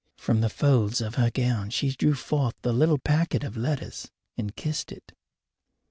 From the folds of her gown she drew forth the little packet of letters and kissed it.